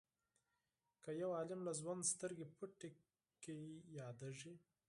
که یو عالم له ژوند سترګې پټې کړي یادیږي.